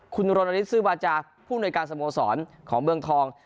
คุณโรนาลิซซื้อวาจาผู้หน่วยการสโมสรของเมืองทอง